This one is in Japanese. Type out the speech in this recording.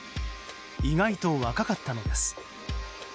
意外と若かったのです。